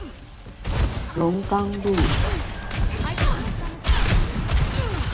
龍岡路